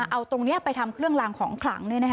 เอาตรงนี้ไปทำเครื่องลางของขลัง